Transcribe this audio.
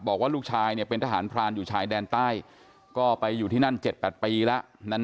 บอกว่าลูกชายเนี่ยเป็นทหารพรานอยู่ชายแดนใต้ก็ไปอยู่ที่นั่น๗๘ปีแล้ว